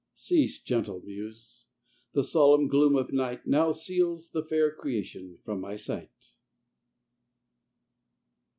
Cease, gentle muse! the solemn gloom of night Now seals the fair creation from my sight.